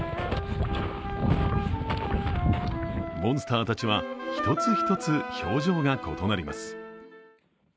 モンスターたちは１つ１つ表情が異なります。